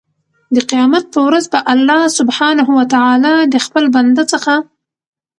د قيامت په ورځ به الله سبحانه وتعالی د خپل بنده څخه